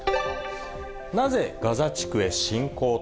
なぜガザ地区へ侵攻？